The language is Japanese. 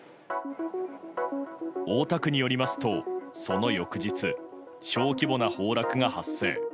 大田区によりますとその翌日、小規模な崩落が発生。